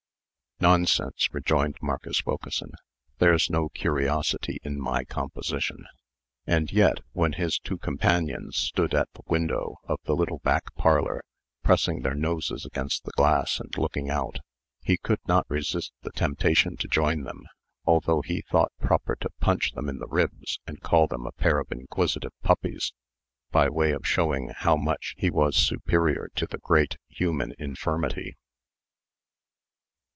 "Nonsense," rejoined Marcus Wilkeson. "There's no curiosity in my composition." And yet, when his two companions stood at the window of the little back parlor, pressing their noses against the glass, and looking out, he could not resist the temptation to join them, although he thought proper to punch them in the ribs, and call them a pair of inquisitive puppies, by way of showing how much he was superior to the great human infirmity.